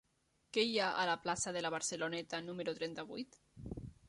Què hi ha a la plaça de la Barceloneta número trenta-vuit?